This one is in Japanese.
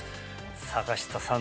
坂下さん